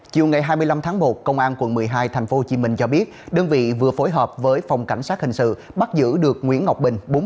chiều ngày hai mươi năm tháng một công an quận một mươi hai tp hcm cho biết đơn vị vừa phối hợp với phòng cảnh sát hình sự bắt giữ được nguyễn ngọc bình